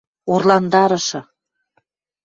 Орландарышы!..